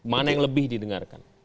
mana yang lebih didengarkan